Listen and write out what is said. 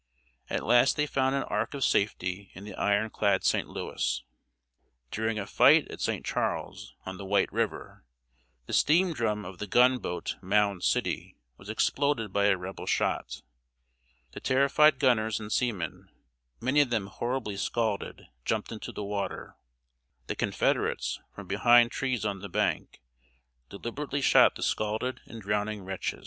At last they found an ark of safety in the iron clad St. Louis. During a fight at St. Charles, on the White River, the steam drum of the gun boat Mound City was exploded by a Rebel shot. The terrified gunners and seamen, many of them horribly scalded, jumped into the water. The Confederates, from behind trees on the bank, deliberately shot the scalded and drowning wretches!